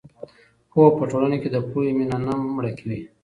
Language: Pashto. پوهه په ټولنه کې د پوهې مینه نه مړه کوي.